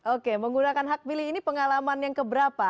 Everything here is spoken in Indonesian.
oke menggunakan hak pilih ini pengalaman yang keberapa